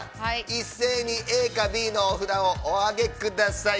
一斉にＡかＢのお札をお挙げください。